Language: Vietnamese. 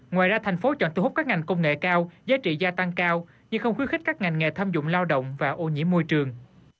ngoài ra thành phố chọn thu hút các ngành công nghệ cao giá trị gia tăng cao nhưng không khuyến khích các ngành nghề thâm dụng lao động và ô nhiễm môi trường